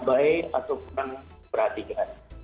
abai atau kurang diperhatikan